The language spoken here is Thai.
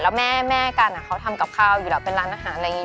แล้วแม่กันเขาทำกับข้าวอยู่แล้วเป็นร้านอาหารอะไรอย่างนี้